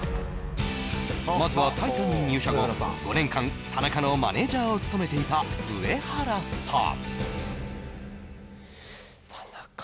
まずはタイタンに入社後５年間田中のマネージャーを務めていた上原さん